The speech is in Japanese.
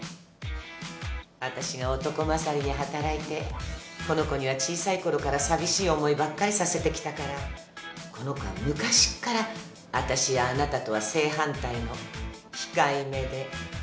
私が男勝りに働いてこの子には小さいころから寂しい思いばっかりさせてきたからこの子は昔っから私やあなたとは正反対の控えめでおしとやかで女らしいタイプが好きなのよ。